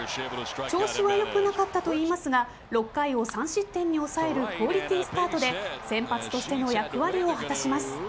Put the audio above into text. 調子は良くなかったといいますが６回を３失点に抑えるクオリティースタートで先発としての役割を果たします。